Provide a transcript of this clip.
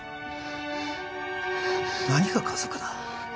何が家族だ？